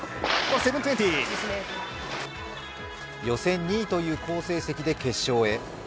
予選２位という好成績で決勝へ。